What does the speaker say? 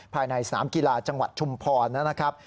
ภายในสนามกีฬาจังหวัดชุมพร